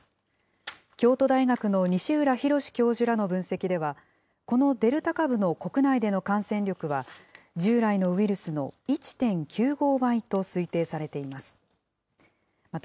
京都大学の西浦博教授らの分析では、このデルタ株の国内での感染力は、従来のウイルスの１．９５倍と推定されています。